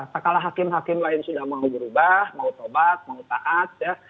sekala hakim hakim lain sudah mau berubah mau tobat mau taat ya